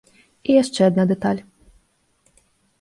І яшчэ адна дэталь.